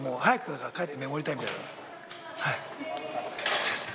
すいません。